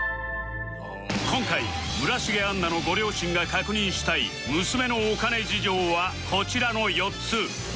今回村重杏奈のご両親が確認したい娘のお金事情はこちらの４つ